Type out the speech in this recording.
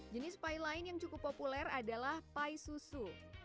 jenis pie lain yang cukup populer adalah pie susu